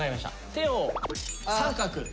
手を三角。